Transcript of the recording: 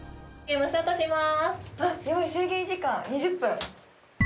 ヤバい制限時間２０分。